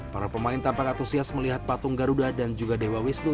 para pemain tampak antusias melihat patung garuda dan juga dewa wisnu